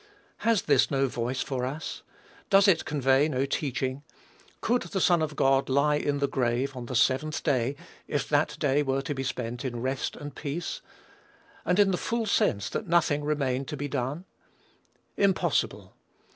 Has this no voice for us? Does it convey no teaching? Could the Son of God lie in the grave on the seventh day, if that day were to be spent in rest and peace; and in the full sense that nothing remained to be done? Impossible!